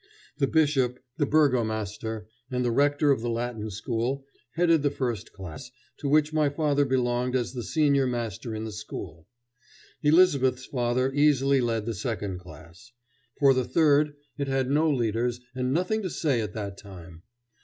The bishop, the burgomaster, and the rector of the Latin School headed the first class, to which my father belonged as the senior master in the school. Elizabeth's father easily led the second class. For the third, it had no leaders and nothing to say at that time.